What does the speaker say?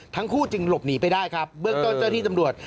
ทั้งคู่จึงหลบหนีไปได้ครับเบื้องต้นเจ้าที่ตำรวจ